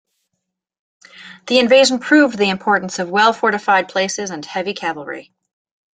The invasion proved the importance of well-fortified places and heavy cavalry.